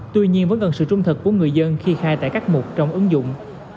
tuy nhiên với gần sự trung thực của người dân khi khai tại các mục trong ứng dụng